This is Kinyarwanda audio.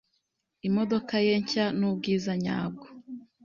Imodoka ye nshya nubwiza nyabwo.